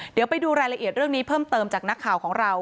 เดี๋ยวไปดูรายละเอียดเรื่องนี้เพิ่มเติมจากนักข่าวของเรา